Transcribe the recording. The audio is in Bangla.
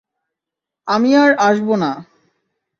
আমি আর আসবো না।